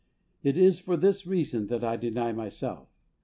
It is for this reason that I deny myself.